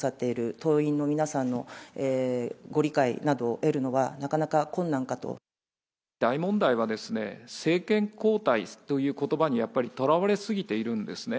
党員の皆さんのご理解などを大問題は、政権交代ということばに、やっぱりとらわれすぎているんですね。